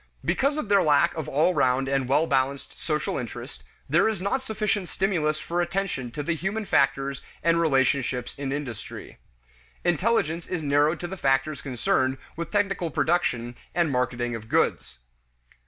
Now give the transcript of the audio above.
Because of their lack of all round and well balanced social interest, there is not sufficient stimulus for attention to the human factors and relationships in industry. Intelligence is narrowed to the factors concerned with technical production and marketing of goods.